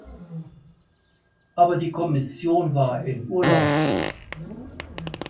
Aber die Kommission war in Urlaub.